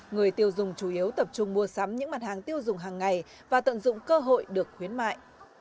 người tiêu dùng chủ yếu tập trung mua sắm những mặt hàng tiêu dùng hàng ngày và tận dụng cơ hội được khuyến mại